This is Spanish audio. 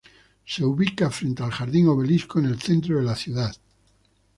Se ubica frente al Jardín Obelisco en el centro de la ciudad.